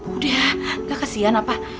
udah nggak kesian apa